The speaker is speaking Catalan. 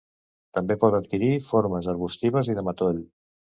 També pot adquirir formes arbustives i de matoll.